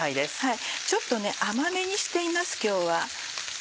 ちょっと甘めにしています今日は。